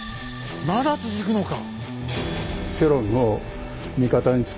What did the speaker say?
まだ続くのか！